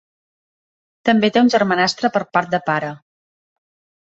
També té un germanastre per part de pare.